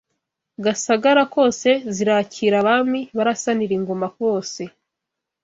Gasagara kwose zirakira Abami barasanira ingoma bose